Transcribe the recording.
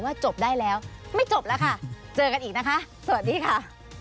จบได้แล้วไม่จบแล้วค่ะเจอกันอีกนะคะสวัสดีค่ะ